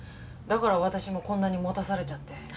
だから私もこんなに持たされちゃって。